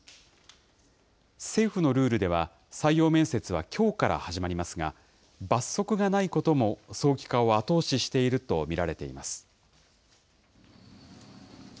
政府のルールでは採用面接はきょうから始まりますが、罰則がないことも早期化を後押ししていると見られています。